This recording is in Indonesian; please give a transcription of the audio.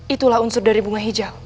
itulah unsur dari bunga hijau